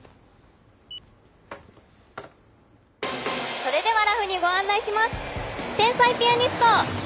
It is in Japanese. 「それではらふにご案内します」。